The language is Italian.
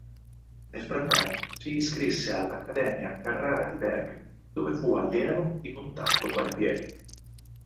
Nel frattempo si iscrisse all'Accademia Carrara di Bergamo, dove fu allievo di Contardo Barbieri.